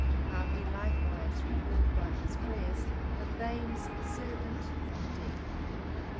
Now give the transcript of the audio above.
How he likewise recalled by his prayers a thegn's servant from death.